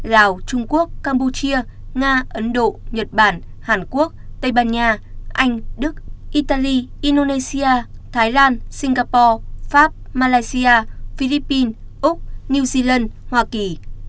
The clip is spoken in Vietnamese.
lào trung quốc campuchia nga ấn độ nhật bản hàn quốc tây ban nha anh đức italy indonesia thái lan singapore pháp malaysia philippines úc new zealand hoa kỳ